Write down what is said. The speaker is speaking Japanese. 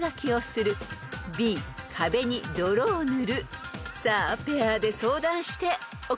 ［さあペアで相談してお答えください］